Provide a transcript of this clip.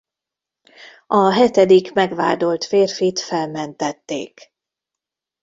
A hetedik megvádolt férfit felmentették.